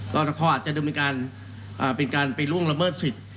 ตอนนี้ก็อาจจะเป็นการไปล่วงละเมิดสิทธิ์